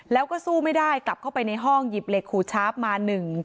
แล้วก็สู้ไม่ได้กลับเข้าไปในห้องหยิบเหล็กขูดชาร์ฟมาหนึ่ง